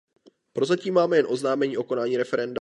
Prozatím máme jen oznámení o konání referenda.